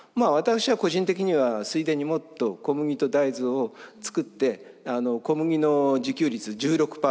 私は個人的には水田にもっと小麦と大豆を作って小麦の自給率１６％